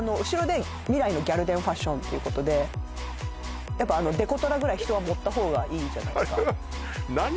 後ろで未来のギャル電ファッションということでやっぱデコトラぐらい人は盛った方がいいじゃないですか